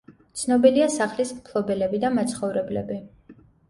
ცნობილია სახლის მფლობელები და მაცხოვრებლები.